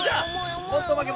もっと巻け！